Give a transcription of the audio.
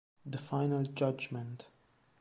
The Final Judgment